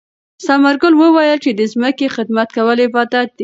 ثمر ګل وویل چې د ځمکې خدمت کول عبادت دی.